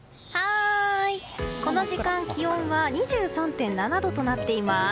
この時間、気温は２３．７度となっています。